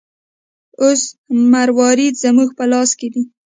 اوس مروارید زموږ په لاس کې دی.